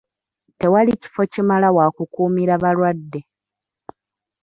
Tewali kifo kimala wakukuumira balwadde.